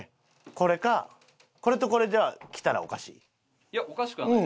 これかこれとこれでは着たらおかしい？いやおかしくはないです。